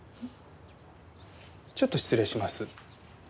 ちょっと失礼します。